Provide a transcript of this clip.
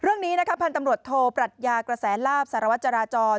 เรื่องนี้นะคะพันธุ์ตำรวจโทปรัชญากระแสลาบสารวัตรจราจร